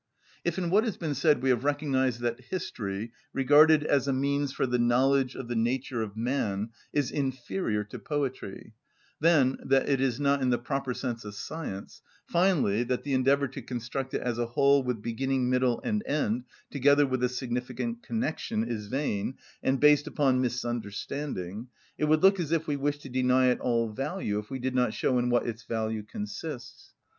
If in what has been said we have recognised that history, regarded as a means for the knowledge of the nature of man, is inferior to poetry; then, that it is not in the proper sense a science; finally, that the endeavour to construct it as a whole with beginning, middle, and end, together with a significant connection, is vain, and based upon misunderstanding: it would look as if we wished to deny it all value if we did not show in what its value consists.